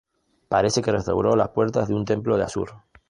Parece que restauró las puertas de un templo de Assur.